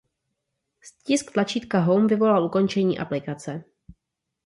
Stisk tlačítka Home vyvolal ukončení aplikace.